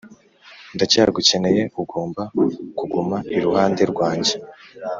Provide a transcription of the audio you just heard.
ndacyagukeneye; ugomba kuguma iruhande rwanye "